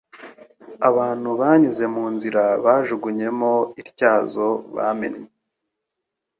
Abantu banyuze mu nzira bajugunyemo ityazo bamennye,